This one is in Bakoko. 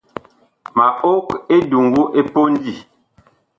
Ma og eduŋgu ɛ pondi.